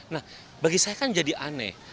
nah bagi saya kan jadi aneh